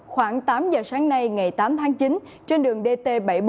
khoảng tám giờ sáng nay ngày tám tháng chín trên đường dt bảy trăm bốn mươi